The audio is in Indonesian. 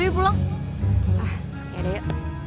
ah ya dia